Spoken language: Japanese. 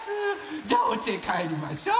じゃあおうちへかえりましょう！